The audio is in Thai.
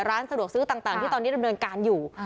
ร้านสะดวกซื้อต่างที่ตอนนี้ดำเนินการอยู่